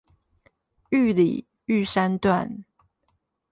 玉里玉山段